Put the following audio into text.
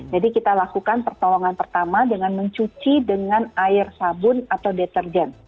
jadi kita lakukan pertolongan pertama dengan mencuci dengan air sabun atau detergen